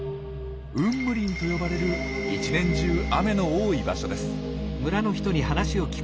「雲霧林」と呼ばれる一年中雨の多い場所です。